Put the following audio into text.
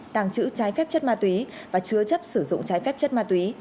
tàng trữ trái phép chất ma túy và chứa chấp sử dụng trái phép chất ma túy